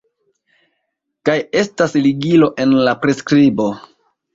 kaj estas ligilo en la priskribo